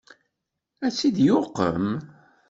Ad tt-id-yuqem?